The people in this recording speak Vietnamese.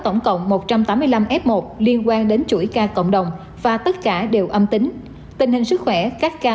tổng cộng một trăm tám mươi năm f một liên quan đến chuỗi ca cộng đồng và tất cả đều âm tính tình hình sức khỏe các ca